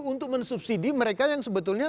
untuk mensubsidi mereka yang sebetulnya